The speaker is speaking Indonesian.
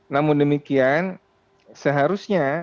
namun demikian seharusnya